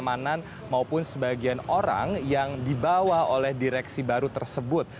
ini adalah pengamanan maupun sebagian orang yang dibawa oleh direksi baru tersebut